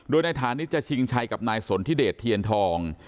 โดยนายฐานิชจะชิงชัยกับนายสนทิเดชเทียนทอง